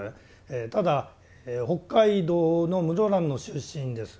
ただ北海道の室蘭の出身です。